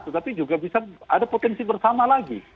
tetapi juga bisa ada potensi bersama lagi